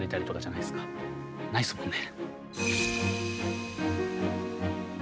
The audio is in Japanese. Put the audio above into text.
ないですもんね。